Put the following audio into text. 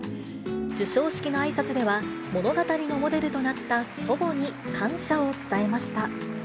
授賞式のあいさつでは、物語のモデルとなった祖母に感謝を伝えました。